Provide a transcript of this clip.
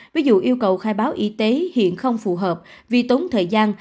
ví dụ yêu cầu khai báo y tế hiện không phù hợp vì tốn thời gian